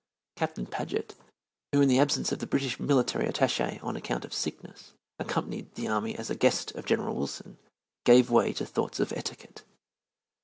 Captain Paget, who in the absence of the British military attache on account of sickness, accompanied the army as a guest of General Wilson, gave way to thoughts of etiquette.